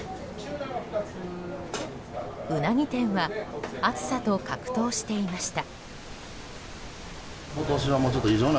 ウナギ店は暑さと格闘していました。